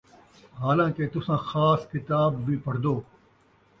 حالانکہ تُساں خاص کتاب وِی پڑھدو،